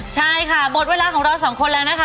ใช่ค่ะหมดเวลาของเราสองคนแล้วนะคะ